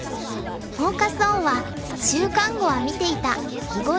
フォーカス・オンは「『週刊碁』は見ていた囲碁ニュース史」。